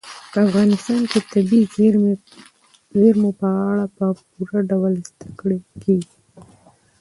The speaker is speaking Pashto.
په افغانستان کې د طبیعي زیرمو په اړه په پوره ډول زده کړه کېږي.